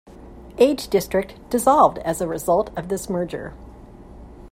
Age District dissolved as a result of this merger.